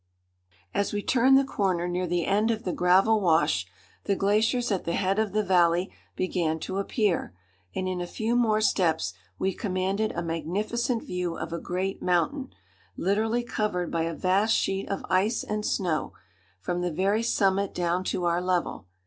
[Illustration: Mount Daly.] As we turned the corner near the end of the gravel wash, the glaciers at the head of the valley began to appear, and in a few more steps we commanded a magnificent view of a great mountain, literally covered by a vast sheet of ice and snow, from the very summit down to our level.